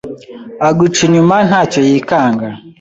Aguca inyuma ntacyo yikanga